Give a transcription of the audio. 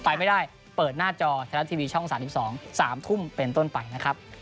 ไปไม่ได้เปิดหน้าจอแคล็ปทีวีช่องสามสิบสองสามทุ่มเป็นต้นไปนะครับ